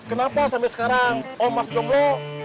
kenapa sampe sekarang om masih jomblo